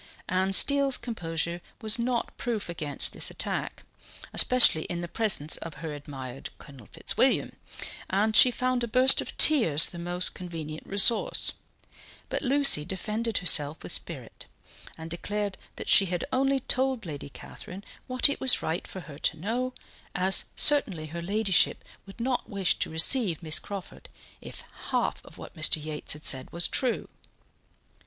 Anne Steele's composure was not proof against this attack, especially in the presence of her admired Colonel Fitzwilliam, and she found a burst of tears the most convenient resource, but Lucy defended herself with spirit, and declared that she had only told Lady Catherine what it was right for her to know, as certainly her ladyship would not wish to receive Miss Crawford if half of what Mr. Yates had said was true.